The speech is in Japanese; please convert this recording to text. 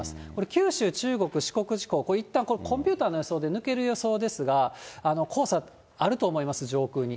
九州、中国、四国地方、いったん、コンピューターの予想で抜ける予想ですが、黄砂あると思います、上空に。